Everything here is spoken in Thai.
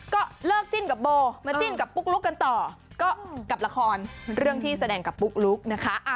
ก็เลิกจิ้นกับโบมาจิ้นกับปุ๊กลุ๊กกันต่อก็กับละครเรื่องที่แสดงกับปุ๊กลุ๊กนะคะ